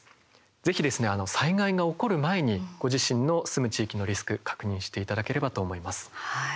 ぜひですね、災害が起こる前にご自身の住む地域のリスク確認していただければと思います。